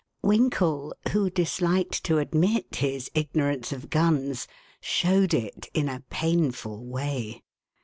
Winkle, who disliked to admit his ignorance of guns, showed it in a painful way.